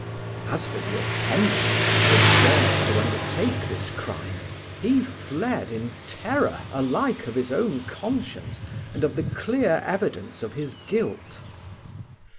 As for the attendant who had dared to undertake this crime, he fled in terror alike of his own conscience and of the clear evidence of his guilt.